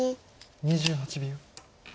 ２８秒。